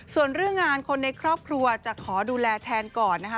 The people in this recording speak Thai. ส่วนเรื่องงานคนในครอบครัวจะขอดูแลแทนก่อนนะคะ